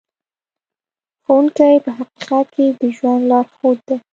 ښوونکی په حقیقت کې د ژوند لارښود دی.